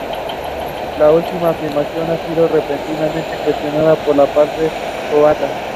La última afirmación ha sido repetidamente cuestionada por la parte croata.